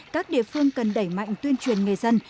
các địa phương cần đẩy mạnh tuyên truyền nghề dân